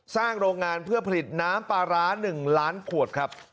โรงงานเพื่อผลิตน้ำปลาร้า๑ล้านขวดครับ